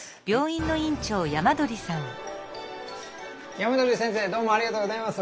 山鳥先生どうもありがとうございます。